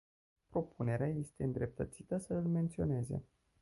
Propunerea este îndreptățită să îl menționeze.